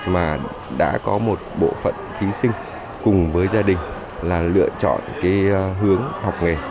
mà đã có một bộ phận thí sinh cùng với gia đình là lựa chọn cái hướng học nghề